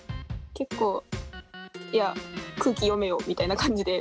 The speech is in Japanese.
結構いや空気読めよみたいな感じで。